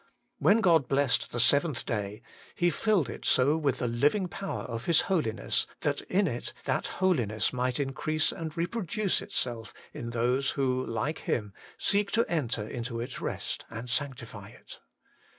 When God blessed the seventh day, He filled it so with the living power of His Holiness, that in it that Holiness might increase and reproduce itself in those who, like Him, seek to enter into its rest and sanctify it.